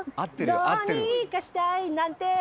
どうにかしたいなんて